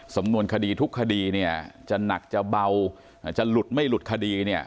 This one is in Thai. สำนวนคดีทุกคดีเนี่ยจะหนักจะเบาจะหลุดไม่หลุดคดีเนี่ย